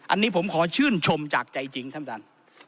อันนี้ผมขอชื่นชมจากใจจริงท่านท่าน